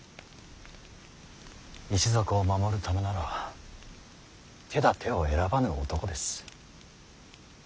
一族を守るためなら手だてを選ばぬ男です。